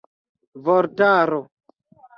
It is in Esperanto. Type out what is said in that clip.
vortaro